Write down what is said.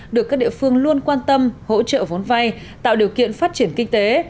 được các địa phương luôn quan tâm hỗ trợ vốn vay tạo điều kiện phát triển kinh tế